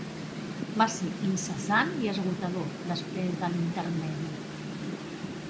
Va ser incessant i esgotador després de l'intermedi.